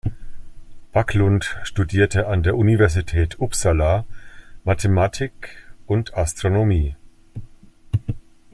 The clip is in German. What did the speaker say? Backlund studierte an der Universität Uppsala Mathematik und Astronomie.